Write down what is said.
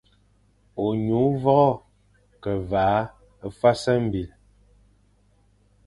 Ônyu vogho ke vaʼa fwas mbil.